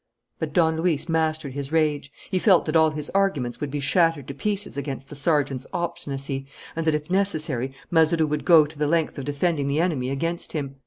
But Don Luis mastered his rage. He felt that all his arguments would be shattered to pieces against the sergeant's obstinacy, and that, if necessary, Mazeroux would go to the length of defending the enemy against him.